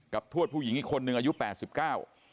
ทวดผู้หญิงอีกคนนึงอายุแปดสิบเก้า